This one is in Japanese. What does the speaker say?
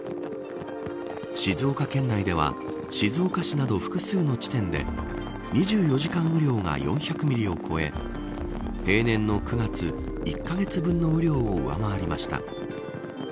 静岡県内では静岡市など複数の地点で２４時間雨量が４００ミリを超え平年の９月１カ月分の雨量を上回りました。